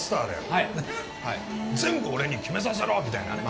はい全部俺に決めさせろみたいなね